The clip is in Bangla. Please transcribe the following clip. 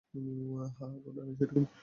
হ্যাঁ, ঘটনা সেরকমই।